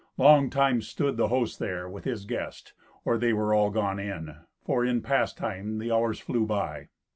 Long time stood the host there with his guest or they were all gone in, for in pastime the hours flew by.